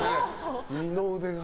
二の腕が。